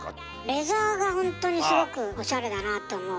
レザーがほんとにすごくおしゃれだなと思う。